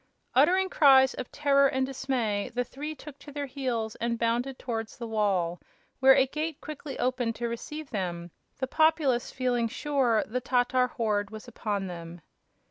Uttering cries of terror and dismay, the three took to their heels and bounded towards the wall, where a gate quickly opened to receive them, the populace feeling sure the Tatar horde was upon them.